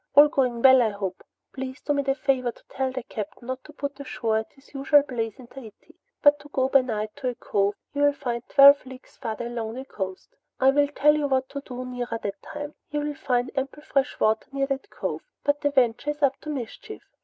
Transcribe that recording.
All going well I hope. Please do me the favor to tell the Captain not to put ashore at his usual place in Tahiti, but to go by night to a cove he will find twelve leagues farther along the coast. I will tell you what to do nearer that time. He will find ample fresh water near that cove, but the Venture is up to mischief.